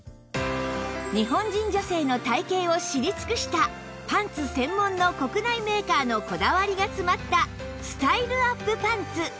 日本人女性の体形を知り尽くしたパンツ専門の国内メーカーのこだわりがつまったスタイルアップパンツ